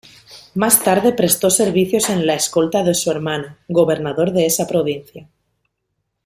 Más tarde prestó servicios en la escolta de su hermano, gobernador de esa provincia.